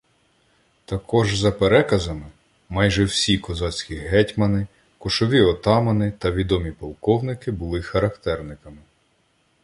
Також, за переказами, майже всі козацькі гетьмани, кошові отамани та відомі полковники були характерниками.